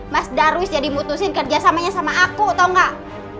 mas darwis jadi mutusin kerjasamanya sama aku tau gak